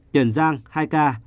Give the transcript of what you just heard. tiền giang hai ca